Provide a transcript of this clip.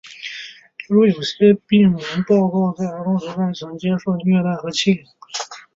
例如有些病人报告说在儿童时代曾遭受虐待和欺凌。